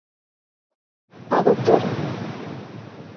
A Dra.